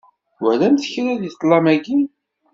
Twalam kra deg ṭlam-agi?